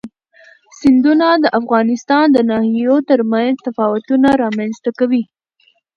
سیندونه د افغانستان د ناحیو ترمنځ تفاوتونه رامنځ ته کوي.